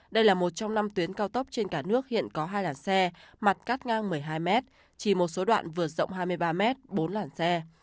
đây là một trong năm tuyến cao tốc trên cả nước hiện có hai làn xe mặt cắt ngang một mươi hai m chỉ một số đoạn vượt rộng hai mươi ba m bốn làn xe